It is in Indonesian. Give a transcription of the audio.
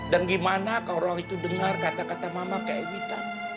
dan gimana kalau orang itu dengar kata kata mama ke evita